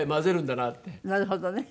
なるほどね。